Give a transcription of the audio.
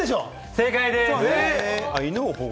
正解です。